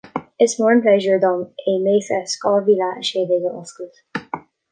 Is mór an pléisiúr dom é MayFest dhá mhíle a sé déag a oscailt